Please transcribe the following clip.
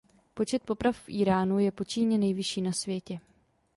Počet poprav v Íránu je po Číně nejvyšší na světě.